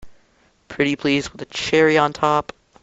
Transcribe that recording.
Pretty please with a cherry on top!